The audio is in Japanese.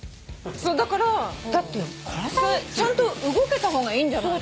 だからちゃんと動けた方がいいんじゃないの？